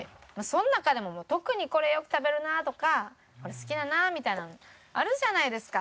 その中でも特にこれよく食べるなとかこれ好きだなみたいなんあるじゃないですか。